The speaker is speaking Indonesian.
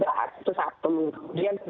kemudian kedua juga